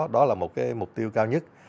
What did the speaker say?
đó là một cái mục tiêu cao nhất